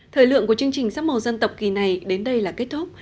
thời lượng của chương trình sắp màu dân tộc kỳ này đến đây là kết thúc